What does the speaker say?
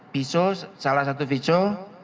pisau salah satu pisau